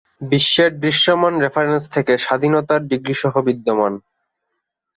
বিশ্বের দৃশ্যমান রেফারেন্স থেকে স্বাধীনতার ডিগ্রী সহ বিদ্যমান।